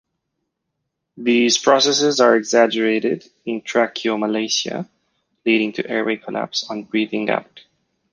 These processes are exaggerated in tracheomalacia, leading to airway collapse on breathing out.